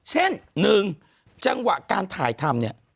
เช่นหนึ่งจังหวะการถ่ายธรรมเนี่ย